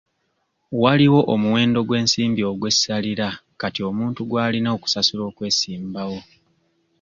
Waliwo omuwendo gw'ensimbi ogw'essalira kati omuntu gw'alina okusasula okwesimbawo.